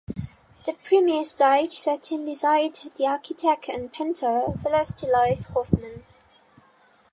The premiere stage setting designed the architect and painter Vlastislav Hofman.